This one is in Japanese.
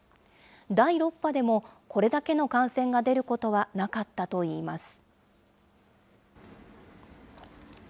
第６波でもこれだけの感染が出ることはなかったといいます。